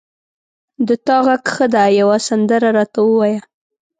د تا غږ ښه ده یوه سندره را ته ووایه